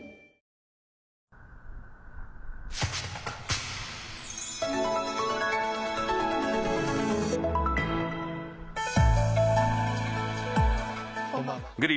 こんばんは。